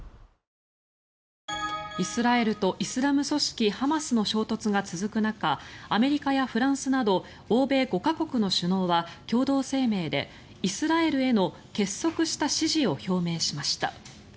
イスラエルとイスラム組織ハマスの衝突が続く中アメリカやフランスなど欧米５か国の首脳は共同声明でイスラエルへの結束した支持を表明しました。